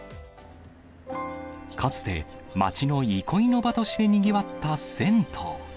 かつて、町の憩いの場としてにぎわった銭湯。